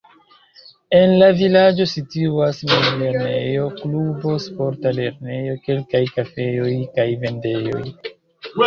En la vilaĝo situas mezlernejo, klubo, sporta lernejo, kelkaj kafejoj kaj vendejoj.